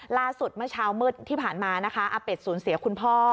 ล่าสุดเมื่อเช้ามืดที่ผ่านมานะคะอาเป็ดสูญเสียคุณพ่อ